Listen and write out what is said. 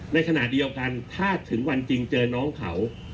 ในขณะเดียวกันถ้าถึงวันจริงเจอน้องเขา